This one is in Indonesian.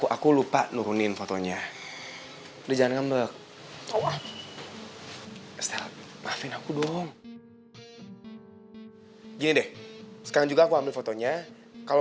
aku lupa nurunin fotonya kerjaan ngambek maafin aku dong gede sekarang juga aku ambil fotonya kalau